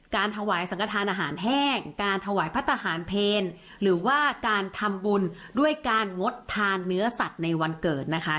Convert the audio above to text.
การถวายสังกระทานอาหารแห้งการถวายพระทหารเพลหรือว่าการทำบุญด้วยการงดทานเนื้อสัตว์ในวันเกิดนะคะ